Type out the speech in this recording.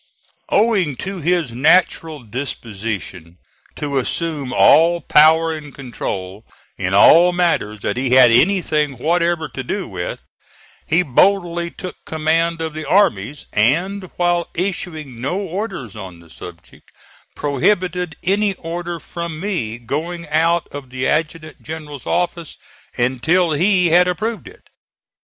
Owing to his natural disposition to assume all power and control in all matters that he had anything whatever to do with, he boldly took command of the armies, and, while issuing no orders on the subject, prohibited any order from me going out of the adjutant general's office until he had approved it.